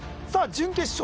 準決勝